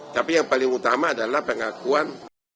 tapi yang paling utama adalah pengakuan